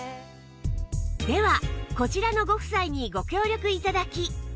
ではこちらのご夫妻にご協力頂き